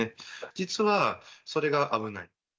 実は、それが危ない。